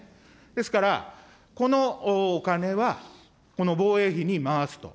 ですから、このお金はこの防衛費に回すと。